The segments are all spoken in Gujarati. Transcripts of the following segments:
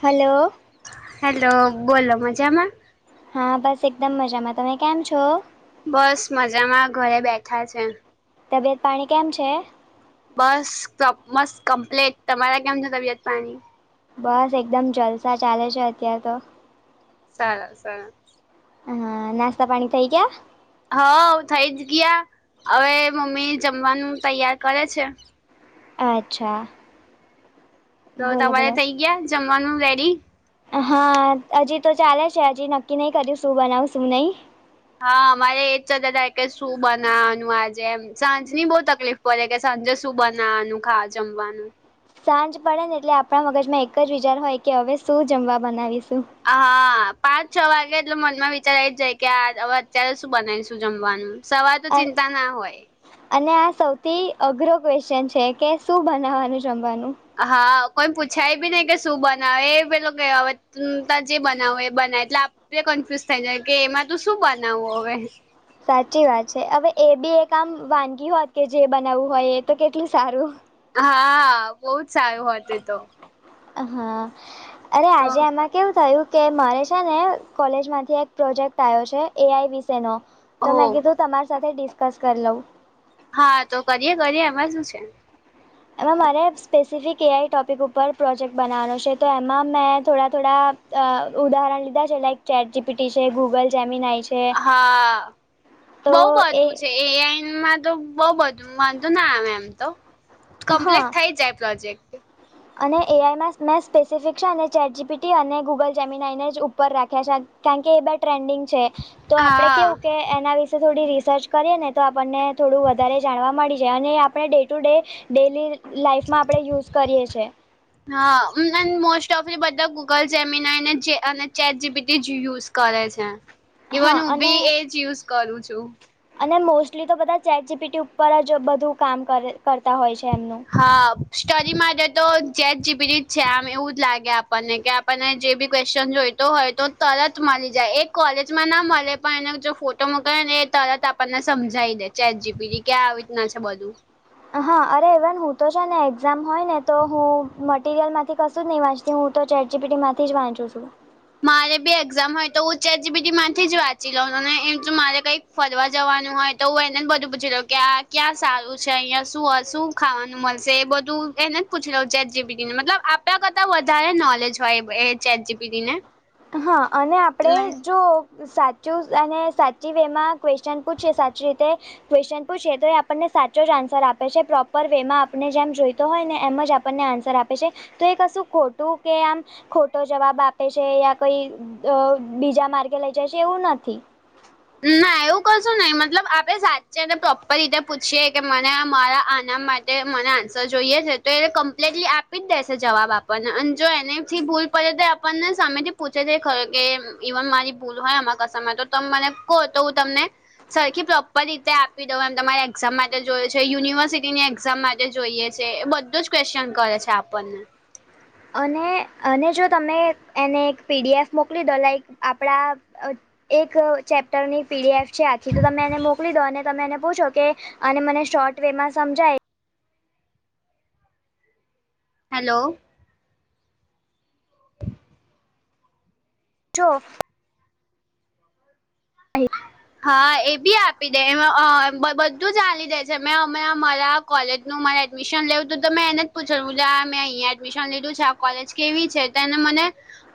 હલો હેલો બોલો મજામાં હા, બસ એકદમ મજામાં તમે કેમ છો. બસ મજામાં ઘરે બેઠા છે. તબિયત પાણી કેમ છે. બસ મસ્ કમ્પ્લીટ તમારા કેમ છે, તબિયત પાણી બસ એકદમ જલસા ચાલે છે અત્યાર તો. સાર સરાર. હા નાસ્તા પાણી થઈ ગયા. હવ થઈ જ ગયા હવે મમ્મી જમવાનું તૈયાર કરે છે. અચ્છા. તો બોલો તમારે બોલો થઇ ગયા જમવાનું રેડી હા હજી તો ચાલે છે હજી નક્કી નહી કર્યું શું બનાવ શું નહી. હા મારે એજ ચર્ચા ચાલે કે શું બનાવવાનું આજે એમ સાંજની બહ તકલીફ બલે કે સાંજે શું બનાવાનું ખાવા જમવાનું. સાંજ પડે ને એટલે આપણા મગજમાં એક જ વિચાર હોય કે હવે શું જમવા બનાવીશું. હ હા પાંચ છ વાગે એટલે મનમાં વિચાર આવી જ જાય કે આ હવે અત્યારે શું બનાવીશું જમવાનું. સવાર તો અ- ચિંતા ના હોય. અને આ સૌથી અઘરો ક્વેશ્ચન છે કે શું બનાવવાનું જમવાનું. હા કોઈ પૂછાય બી નઈ કે શું બનાવે પેલો કે તું ત જે બનાવું એ બનાય એટલે આપડે કન્ફ્યુઝ થઈ જાય કે એમાં તું શું બનાવવું હવે. સાચી વાત છે હવે એ બી એક આમ વાનગી હોત કે જે બનાવવું હોય એ તો કેટલું સારું. હા બહુ જ સારું હોત એતો. હા અરે તો આજે આમાં કેવું થયું કે મારે છે ને કોલેજ માંથી એક પ્રોજેક્ટ આવ્યો છે એઆઈ વિશે નો હો તો મેં કીધું તમારી સાથે ડિસ્કસ કરી લઉ. હા તો કરીએ કરીએ એમાં શું છે. એમાં મારે સ્પેસિફિક એઆઈ ટૉપિક ઉપર પ્રોજેક્ટ બનાવવાનો છે તો એમાં મેં થોડા થોડા અ ઉદાહરણ લીધા છે લાઈક ચેટ જીપીટી છે ગુગલ જેમિનઈ છે. હા તો બહ એ બધું છે. એઆઈમાં તો બહું બધુ વાંધોના આવે એમ તો. હા કમ્પ્લીટ થઈ જાય પ્રોજેક્ટ. અને એઆઈમાં મેં સ્પેસિફિક છે અને ચેટ જીપીટી અને ગૂગલ જેમીના એને જ ઉપર રાખ્યા છે. કારણ કે એ બ ટ્રેન્ડિંગ છે તો આપડે હા કેવું કે એના વિશે થોડી રિસર્ચ કરીએ ને તો આપણને થોડું વધારે જાણવા મળી જાય અને આપણે ડે ટુ ડે ડેલી લાઈફમાં આપણે યુઝ કરીએ છીએ. હા મોસ્ટ ઓફલી બધા ગૂગલ જેમીનાને અને ચેટ જીપીટી નેજ યુઝ કરે છે ઇવન હા હું અને બી એ જ યુઝ કરું છું. અને મોસ્ટલી તો બધા ચેટ જીપીટી ઉપર જ બધું કામ કરતા હોય છે એમનું. હા સ્ટરી માટે તો ચેટ જીપીટી જ છે આમ એવું જ લાગે આપણને કે પણ જે બી ક્વેશ્ચન જોઈતો હોય તો તરત મળી જાય એ કોલેજમાં ના મળે પણ એને જો ફો તો મું ક ને એ તરત આપણને સમજાવી દે ચેટ જીપીટી કે આવી રીતના છે બધું. હા અરે ઈવન હું તો છે ને એક્ઝામ હોય ને તો હું મટરિયલ માંથી ક નહી વાંચતી હું તો ચેટ જીપીડી માંથી જ વાંચું છું મારે બી એક્ઝામ હોય તો હું ચેટ જીડીપી માંથી જ વાંચી લઉં એમ તો મારે કઈ ફરવા જવાનું હોય તો હું એને જ બધું પૂછી લઉં કે આ ક્યાં સારું છે અહિયાં શું હ શું ખાવાનું મળશે એ બધું એને જ પૂછી લવ ચેટજીપીટી મતલબ આપણા કરતાં વધારે નોલેજ હોય એ. ચેટજીપીટી ને. હા અને આપણે જો સાચું અને સાચી વે માં ક્વેશ્ચન પૂછીએ સાચી રીતે ક્વેશચન પૂછીએ તો એ આપણને સાચો જ આન્સર આપે છે પ્રોપર વે માં આપને જેમ જોઈતો હોય ને એમ જ ન્ર આપે છે તો એ કશું ખોટું કે આમ ખોટો જવાબ આપે છે કઈ બીજા માર્ગે લઇ જશે એવું નથી. હ [inaudible] ના એવું કશું નહી મતલબ આપે સાચી અને પ્રોપર રીતે પૂછીયએ કે મને મારા આના માટે તે મને આન્સર જોઈએ છે તો એને કમ્પ્લીટલી આપી જ દેશે જવાબ આપણને અને જો એનેથી ભૂલ પ તો આપણને સામે થી પૂછે છે ખરો કે ઈવન મારી ભૂલ હોય આમારા કસામાં તો ત મને કોહ તો હું તમને સરખી પ્રોપર રીતે આપી દઉ એમ તમારે એક્ઝામ માટે જોયું છે યુનિવર્સિટીની એક્ઝામ માટે જે જોઈએ છે એ બધું જ ક્વેશચન કરે છે આપણને અને અને જો તમે એને એક પીડીએફ મોકલી દો લાઈક આપણા એક ચેપ્ટર ની પીડીએફ છે આખી તો તમે એને મોકલી દો અને તમે એને પૂછો કે અને મને શોર્ટ વેમાં સમજાય હેલો [inaudible] જો હ [inaudible] હા એ બી આપી દે બધું જાણી દે છે અ [unintelligible] અમેરા કોલેજ નું મારે એડમિશન લેવું તોં મેં એને જ પૂછ્યું આ મેં અહીંયા એડમિશન લીધું છે કોલેજ કેવી છે તો એને મને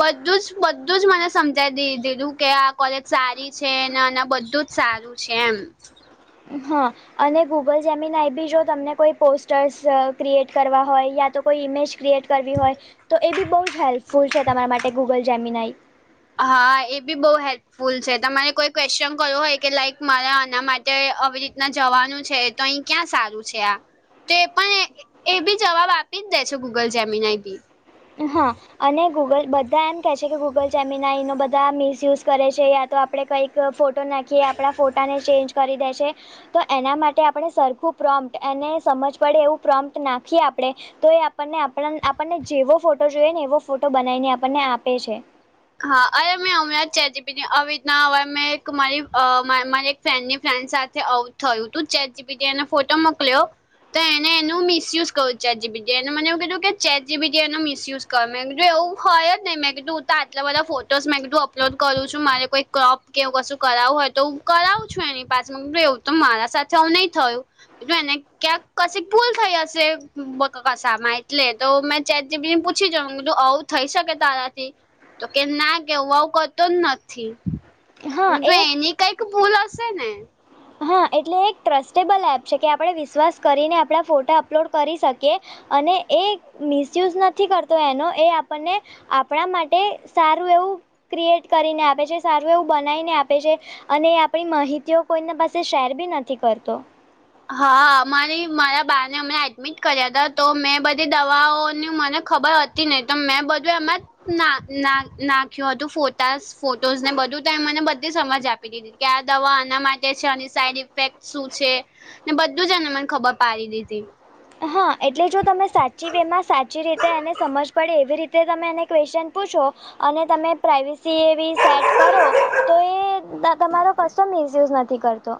બધું જ, બધું જ મને સમજાવી દીધેલું કે, આ કોલેજ સારી છે ને, અને બધું જ સારું છે એમ હા. અને ગૂગલ જેમીન એ બી જો તમને કોઈ પોસ્ટર્સ ક્રિએટ કરવા હોય યા તો કોઈ ઇમેજ ક્રિએટ કરવી હોય તો એ બી બહુ જ હેલ્પફુલ છે તમારા માટે ગૂગલ જેમિનાઈ હા એ બી બહુ હેલ્પ ફૂલ છે તમારે કોઈ ક્વેશ્ચન કરવું હોય કે લાઈક મારા આના માટે આવી રીતના જવાનું છે તો અહીં ક્યાં સારું છે આ તે પણ એ બી જવાબ આપી જ દે છે, ગૂગલ જેમિનાઈ બી હા. અને ગૂગલ બધા એમ કહે છે કે, ગૂગલ જેમિનાઈ એનો બધા મિસયુઝ કરે છે, યા તો આપણે કંઈક ફોટો ફોટો નાખીએ, આપણા ફોટા ને ચેન્જ કરી દેશે. તો એના માટે આપણે સરખું પ્રોમ્પ્ટ, અને સમજ પડે એવું પ્રોમપ્ટ નાખીએ આપણે તો એ આપણને, આપણને જેવો ફોટો જોઈએ ને, એવો ફોટો બનાવીને આપણને આપે છે. હા, અરે મેં હમણાં જ ચેટ જીપીટી આવી રીતના હવે મેં એક મારી મારી એક ફ્રેન્ડની ફ્રેન્ડ સાથે આવુ થયું, તું ચેટ જીપીટી એનો ફોટો મોકલ્યો. તો એને એનું મિસયુઝ કયું? ચેટ જીપીટીએને મને એવું કીધું કે, ચેટ જીપીટી એ એનુ મિસયુઝ કરે એવું હોય જ ને, મેં કીજું તાર એટલા બધા ફોટોસ મેં એકધું અપલોડ કરું છું, મારે કોઈ ક્રોપ કેવું, કશું કરાવવું હોય તો કરાવું છું, એની પાછું એવું તો મારા સાથે આવુ નહીં થયું. એ તો એને ક્યાંક કશી ભૂલ થઈ હશે, કસામાં એટલે તો મે ચેટ જીપીટી પૂછી જાઉું, આવું થઈ શકે તારાથી? તો કે, ના કે હુ આવું કરતો જ નથી, હા હું તો એ એક એની કંઈક ભૂલ હશે ને. હા, એટલે એક ટ્રસ્ટેબલ એપ છે કે, આપણે વિશ્વાસ કરીને આપણા ફોટા અપલોડ કરી શકીએ. અને એ મિસયુઝ નથી કરતો, એનો એ આપણને આપણા માટે સારું એવું ક્રિએટ કરીને આપે છે, સારું એવું બનાવીને આપે છે, અને આપણી માહિતીઓ કોઈને પાસે તે શેર બી નથી કરતો. હા, અમારી મારા બાને અમે એડમિટ કર્યા હતા, તો મેં બધી દવાઓની મને ખબર હતી. નહી તો, મેં બધું એમાં જ. ના ના, નાખ્યું હતું ફોટાઝ, ફોટોઝ ને બધું તો એ મને બધી સમજ આપી દીધી. કે, આ દવા આના માટે છે, આની સાઈડ ઇફેક્ટ શું છે. ને બધું જ ને, મને ખબર પડી દીધી. હા, એટલે જો તમે સાચી વે માં સાચી રીતે, એને સમજ પડે એવી રીતે તમે એને ક્વેશ્ચન પૂછો. અને તમે. પ્રાઈવેસી એવી સેટ કરો, તો એ તમારો કશો મિસયુઝ નથી કરતો.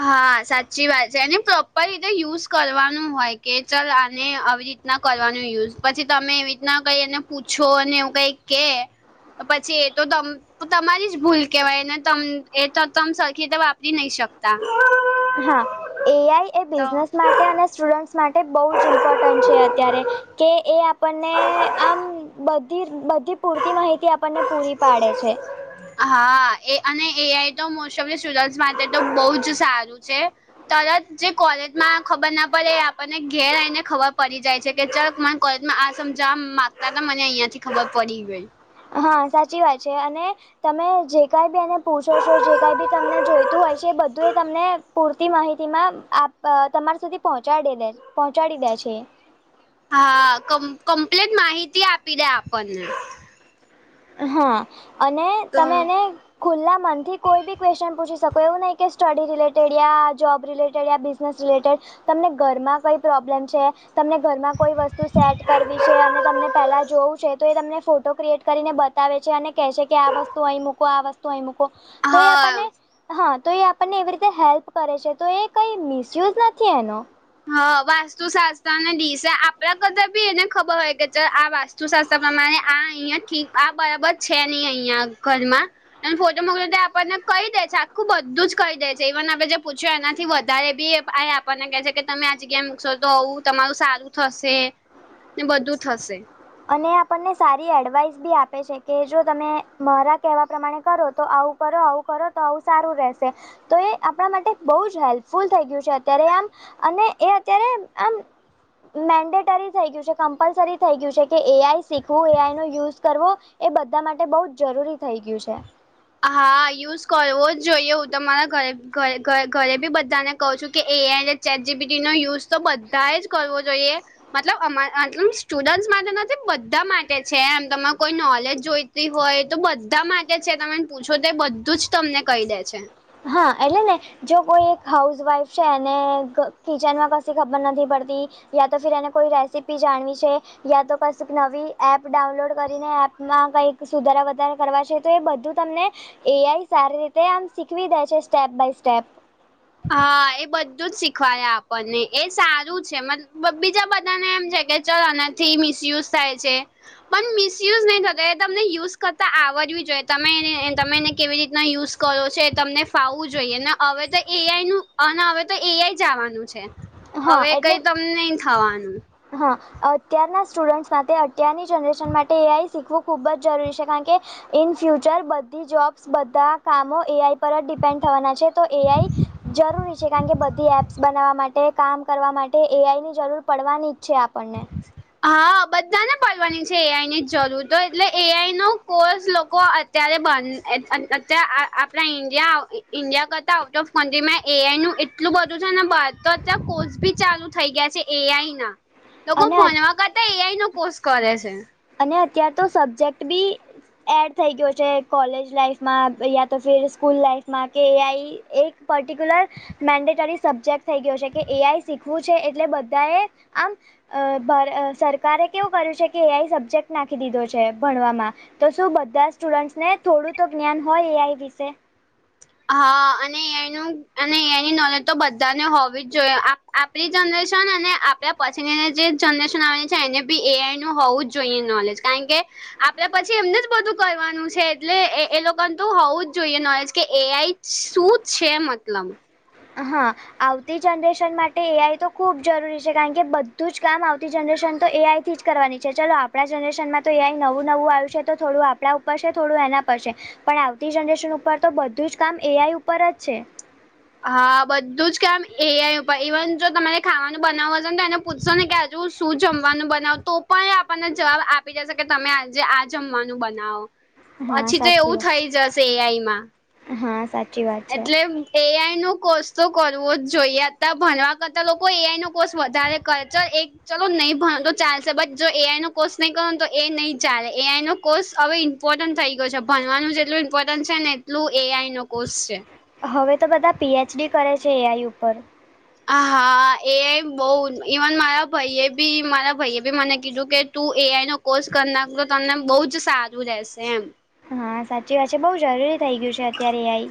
હા, સાચી વાત છે, એને પ્રોપર રીતે યુઝ કરવાનું હોય કે, ચાલ આને આવી રીતે ના કરવાનું યુઝ, પછી તમે એવી રીતના કઈ એને પૂછો અને એવું કઈ કે. પછી એ તો તમ તો તમારી જ ભૂલ કેહેવાય, એને ત તમ સરખી વાપરી નહી શક કેતા. હા, એઆઈ એ બિઝનેસ માટે અને સ્ટુડન્ટસ માટે બહુ જ ઇમ્પોર્ટન્ટ છે અત્યારે. કે, એ આપણને આમ બધી બધી પૂરતી માહિતી આપણને પૂરી પાડે છે. હા, એ અને એઆઈ તો મોસ્ટ ઓફ સ્ટુડન્ટ માટે તો બહુ જ સારું છે. તરત જે કોલેજમાં ખબર ના પડે, એ આપણને ઘેર આવીઈને ખબર પડી જાય છે કે, જરાક માં કોલેજમાં આ સમજાવા માગતા, મને અહિયાં થી ખબર પડી ગઈ. હા, સાચી વાત છે. અને તમે જે કંઈ બી એને પૂછો છો, જે કઈ બી તમને જોઈતું હોય છે, એ બધું એ તમને પૂરતી માહિતીમાં આપ તમારા સુધી પહોંચાડી દે પહોંચાડી દે છે. હા ક કમ્પ્લેન માહિતી આપી દે આપણને હા અને તમે એને ખુલ્લા મન થી કોઈ બી ક્વેશન પૂછી શકો એવું નહી કે સ્ટડી રિલેટેડ યા જોબ રિલેટેડયા જે કંઈ ભી તમને ઘર માં કે પ્રોબ્લેમ છે. તમને ઘરમાં કોઈ વસ્તુ સેટ કરવી છે, અને તમને પહેલા જોવું છે, તો એ તમને ફોટો ક્રિએટ કરીને બ બતાવે છે અને કેહે છે કે, આ વસ્તુ અહીં મૂકો, આ વસ્તુ અહી મૂકો તો એ હા આપણને હા, તો એ આપણને એવી રીતે હેલ્પ કરે છે, તો એ કઈ મિસયુઝ નથી એનો. હા, વાસ્તુશાસ્ત્ર અને દિશા આપડા કરતા ભી એને ખબર હોય કે, આ વાસ્તુ શું શાસ્ત્ર પ્રમાણે આ અહિયાં ઠીક, આ બરાબર છે નહીં અહિયાં ઘરમાં? ફોટોમાંગ આપણને કહી દે છે આખું બધું જ કહી દે છે ઇવન આપે જે પૂછ્યું એનાથી વધારે બી એ આપણને કે છે કે તમે આ જગ્યા મૂકશો તો આવું તમારું સારું થશે ને બધું થશે અને આપણને સારી એડવાઇસ બી આપે છે કે જો તમે મારા કહેવા પ્રમાણે કરો તો આવું કરો આવું કરો તો આવું સારું રહેશે તો એ આપણા માટે બહુ જ હેલ્પફુલ થઈ ગયું છે અત્યારે આમ અને એ અત્યારે આમ મેન્ડેટરી થઈ ગયું છે કમ્પલસરી થઈ ગયું છે. કે એ આઈ શીખવું એ આઈ નો યુઝ કરવો એ બધા માટે બહુ જ જરૂરી થઈ ગયું છે. હા યુઝ કરવો જ જોઈએ હું તમારા ઘરે ઘરે બી બધાને કહું છું કે એઆઈ ચેજીબિટી નો યુઝ તો બધા જ કરવો જોઈએ મતલબ અ મતલ સ્ટુડન્ટ માટે નથી બધા માટે છે એમ તમારે કોઈ નોલેજ જોઈ તી હોય તો બધા માટે છે તમે પૂછો તો બધું જ તમને કહી દે છે. હા એટલે ને. જો કોઈ એક હાઉસવાઈફ છે એને કિચનમાં કશું ખબર નથી પડતી યા તો ફિર એને કોઈ રેસીપી જાણવી છે યા તો કશી નવી એપ ડાઉનલોડ કરીને એપમાં કઈક સુધારા વધારા કરવાશે. તો એ બધું તમને એ આઈ સારી રીતે આમ શીખવી દે છે સ્ટેપ બાય સ્ટેપ હા એ બધું જ શીખવાયા આપણને એ સારું છે મ બીજા બધાને એમ છે કે ચ આનાથી મિસયુઝ થાય છે. પણ મિસયુઝ નહી થતો એ તમને યુઝ કરતા આવડવી જોઈએ તમે તમેને કેવી રીતના યુઝ કરો છે એ તમને ફાવવું જોઈએ ને હવે તો એ આઈ નું અને હવે તો એ આઈ આવાનું છે હા હવે એટલે કઈ તમને નહી થવાનું હા અત્યારના સ્ટુડન્ટ્સ માટે અત્યારની જનરેશન માટે એ આઈ શીખવું ખૂબ જ જરૂરી છે કારણ કે ઇન ફ્યુચર બધી જોબ્સ બધા કામો એ આઈ પર જ ડિપેન્ડ થવાના છે તો એઆઈ જરૂરી છે કારણ કે બધી એપ્સ બનાવવા માટે કામ કરવા માટે એઆઈ ની જરૂર પડવાનીજ છે આપણને હા બધાને પડવાની છે એઆઈ ની જરૂરતો એટલે એઆઈ નો કોર્સ લોકો અત્યારે બંધ આપણા ઇન્ડિયા ઇન્ડિયા કરતા આઉટ ઓફ કન્ટ્રીમાં એઆઈ નું એટલું બધું છે ને બર તો અત્યારે કોર્સ ભી ચાલુ થઈ ગયા છે એ આઈ ના લોકો અને ભણવા કરતા એ આઈ નો કોર્ષ કરે છે. અને અત્યાર તો સબ્જેક્ટ બી એડ થઈ ગયો છે કોલેજ લાઈફમાં યા તો ફર સ્કૂલ લાઈફમાં કે એ આઈ એક પર્ટિક્યુલર. મેન્ડેટરી સબ્જેક્ટ થઈ ગયો છે કે એ આઈ શીખવું છે એટલે બધા એ આમ અ ભારે સરકારે કેવું કર્યું છે કે એ આઈ સબ્જેક્ટ નાખી દીધો છે ભણવામાં. તો શું બધા સ્ટુડન્ટસ ને થોડું તો જ્ઞાન હોય એ આઈ વિશે. હા અને એનું અને એ આઇની નોલેજ તો બધાને હોવી જ જોઈએ. આપણી જનરેશન અને આપણા પછીનીને જે જનરેશન આવેલી છે એને બી એ આઈ નું હોવું જ જોઈએ નોલેજ. કારણકે આપડે પછી એમને જ બધું કરવાનું છે એટલે એ લોકોને તો હોવું જ જોઈએ નોલેજ કે એઆઈ શું છે મતલબ. હા આવતી જનરેશન માટે એઆઈ તો ખૂબ જરૂરી છે કારણ કે બધું જ કામ આવતી જનરેશન તો એઆઈથી જ કરવાની છે ચાલો આપણા જનરેશનમાં તો એ આઈ નવું નવું આવ્યું છે તો થોડું આપણા ઉપર છે થોડું એના પર છે પણ આવતી જનરેશન ઉપર તો બધું જ કામ એ આઈ ઉપર જ છે. હા બધું જ કેમ એઆઈ ઉપર ઈવન જો તમારે ખાવાનું બનાવવું હશે ને તો એને પૂછશો ને કે શું જમવાનું બનાવો તો પણ એ આપણને જવાબ આપી દેશે કે તમે આજે આ જમવાનું બનાવો. હા પછી તો સાચી એવું વાત છે. થઈ જશે એ આઈમાં. હા સાચ. એટલે હ [inaudible] કોર્ષ તો કરવો જ જોઈએ અત્યાર ભણવા કરતા લોકો એઆઈ નો કોર્ષ વધારે કરે છે. ચાલલો નહીં ભણ તો ચાલશે બટ જો એઆઈ નો કોર્સ નહી કરો તો એ નહી ચાલે એઆઈ ન કોર્સ હવે ઇમ્પોર્ટન્ટ થઈ ગયો છે ભણવાનું જેટલુ ઇમ્પોર્ટન્ટ છે ને એટલું એ આઈ નો કોર્સ છે. હવે તો બધા પીએચડી કરે છે એઆઈ ઉપર. હા એઆઈ બહ ઇવન મારા ભાઈએ બી મારા ભાઈએ બી મને કીધું કે તું એઆઈ નો કોર્સ કરનાર તો તમને બહુ જ સારું રહેશે એમ. હા સાચી વાત છે બહુ જરૂરી થઈ ગયું છે અત્યારે એઆઈ.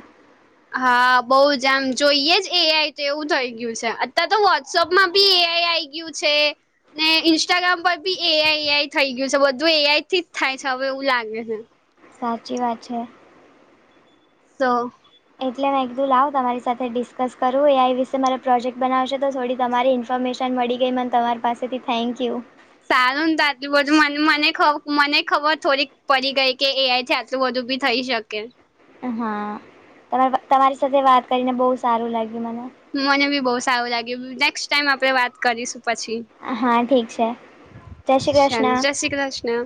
હા બઉુ જ આમ જોઈએ જ એઆઈ તો એવું થઈ ગયું છે અતાર તો વોટ્સપ માં બી એઆઈ આઈ કયું છે. ને ઇન્સ્ટાગ્રામ પર બી એઆઈ એઆઈ થઈ ગયું છે બધું એઆઈ થી જ થાય છે હવે એવું લાગે છેને. સાચી વાત છે. તો એટલે હ એકદુલ આવ તમારી સાથે ડિસ્કસ કરું એ વિશે મારે પ્રોજેક્ટ બનાવશે તો થોડી તમારી ઇન્ફોર્મેશન મળી ગઈ મને તમારી પાસેથી થેન્ક યુ સારું ને ત આટલું બધું મ મને મને ખબર થોડીક પડી ગઈ કે એઆઈ એટલું બધું બી થઈ શકે. હા તમારી સાથે વાત કરીને બહુ સારું લાગ્યું મને. મને બી બહુ સારું લાગ્યું નેક્સ્ટ ટાાઈમ આપણે વાત કરીશું પછી. હા ઠીક છે જય શ્રી કૃષ્ણ જય શ્રી કૃષ્ણ.